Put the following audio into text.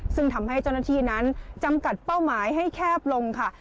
ซึ่งทำให้เจ้าหน้าที่นั้นจำกัดเป้าหมายให้แคบลงค่ะ